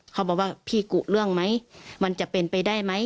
เขาบอกว่าพี่กุเรื่องไหมมันจะเป็นไปได้ไหม